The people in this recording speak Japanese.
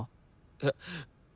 えっ？